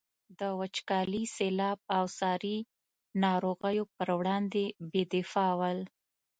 د وچکالي، سیلاب او ساري ناروغیو پر وړاندې بې دفاع ول.